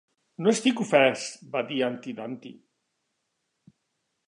"No estic ofès", va dir Humpty Dumpty.